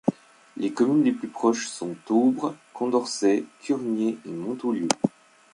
Les communes les plus proches sont Aubres, Condorcet, Curnier et Montaulieu.